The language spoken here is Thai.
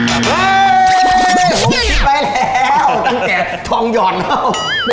เฮ้ยโปรโมชั่นไปแล้วตั้งแต่ทองหย่อนเข้า